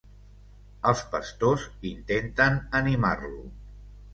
Els pastors intenten animar-lo.